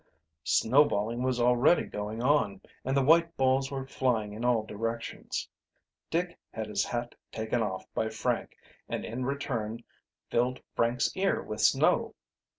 Snowballing was already going on, and the white balls were flying in all directions. Dick had his hat taken off by Frank, and in return filled Frank's ear with snow.